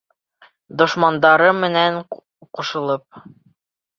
Дошмандарым менән ҡушылып!